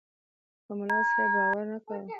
په ملاصاحب باور نه کاوه.